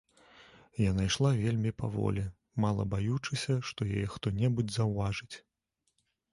Яна ішла вельмі паволі, мала баючыся, што яе хто-небудзь заўважыць.